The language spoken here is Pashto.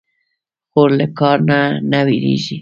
خور له کار نه نه وېرېږي.